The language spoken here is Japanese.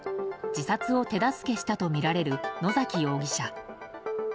自殺を手助けしたとみられる野崎容疑者。